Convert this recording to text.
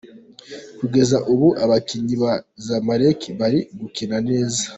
Kugeza ubu abakinnyi ba Zamalek bari gukina neza.